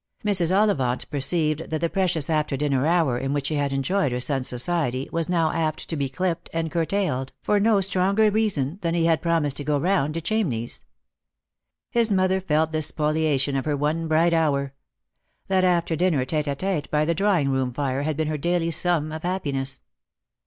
Mrs. Ollivant perceived that the precious after dinner hour in which she had enjoyed her son's society was now apt to be clipped and cur tailed, for no stronger reason than that he had promised to go round to Chamney's. His mother felt this spoliation of her one bright hour. That after dinner t&te a tete by the drawing room fire had been her daily sum of happiness.